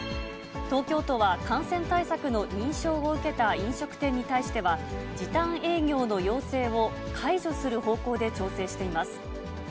東京都は感染対策の認証を受けた飲食店に対しては、時短営業の要請を解除する方向で調整しています。